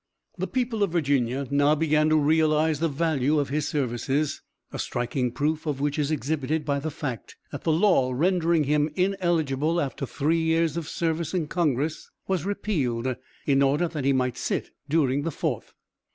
The people of Virginia now began to realize the value of his services; a striking proof of which is exhibited by the fact that the law rendering him inelligible after three years' service in Congress was repealed, in order that he might sit during the fourth.